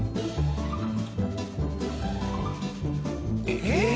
えっ？